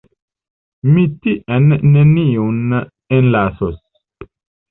Mi tien neniun enlasos.